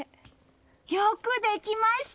よくできました！